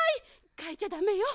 かいちゃダメよ。